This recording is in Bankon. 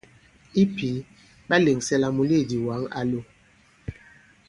I pǐ, ɓa lèŋsɛ la mùleèdì wǎŋ a lo.